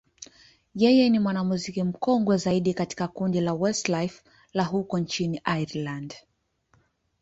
yeye ni mwanamuziki mkongwe zaidi katika kundi la Westlife la huko nchini Ireland.